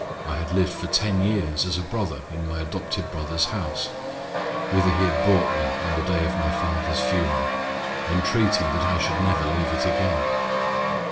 I had lived for ten years as a brother in my adopted brother's house, whither he had brought me on the day of my father's funeral; entreating that I should never leave it again.